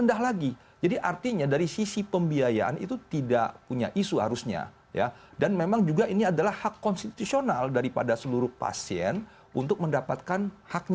nah jadi obat itu adalah hak konstitusionalnya peserta jkn